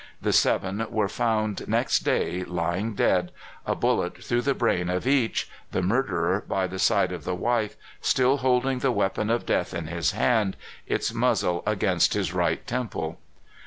The seven were found next day tying dead, a bullet through the brain of each, the murderer, by the side of the wife, still holding the weapon of death in his hand, its muzzle against his right temple.